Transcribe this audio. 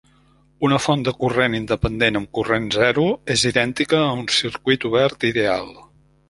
Una font de corrent independent amb corrent zero és idèntica a un circuit obert ideal.